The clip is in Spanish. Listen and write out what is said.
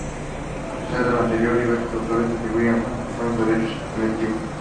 A pesar de lo anterior, diversos autores atribuyen a Ramón Corona varios hechos delictivos.